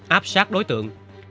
áp sát đối tượng